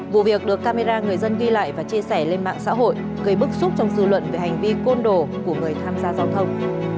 vụ việc được camera người dân ghi lại và chia sẻ lên mạng xã hội gây bức xúc trong dư luận về hành vi côn đồ của người tham gia giao thông